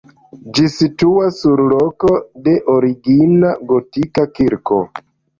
Ĝi situas sur loko de origina gotika kirko.